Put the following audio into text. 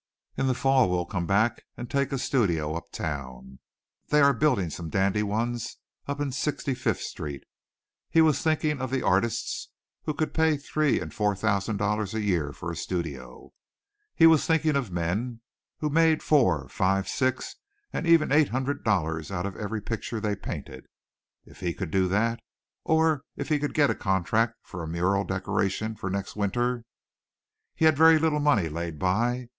In the fall we'll come back and take a studio up town. They are building some dandy ones up in Sixty fifth Street." He was thinking of the artists who could pay three and four thousand dollars a year for a studio. He was thinking of men who made four, five, six and even eight hundred dollars out of every picture they painted. If he could do that! Or if he could get a contract for a mural decoration for next winter. He had very little money laid by.